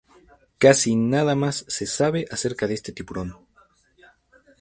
Casi nada más se sabe acerca de este tiburón.